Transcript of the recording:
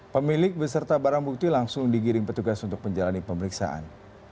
pemilik beserta barang bukti langsung digiring petugas untuk menjalani pemeriksaan